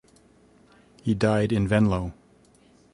He died in Venlo.